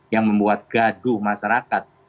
yang membuat gaduh masyarakat